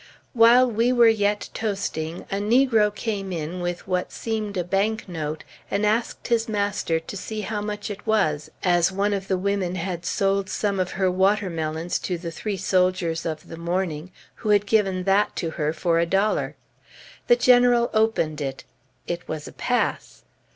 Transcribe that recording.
While we were yet toasting, a negro came in with what seemed a bank note, and asked his master to see how much it was, as one of the women had sold some of her watermelons to the three soldiers of the morning, who had given that to her for a dollar. The General opened it. It was a pass!